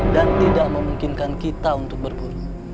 dan tidak memungkinkan kita untuk berburu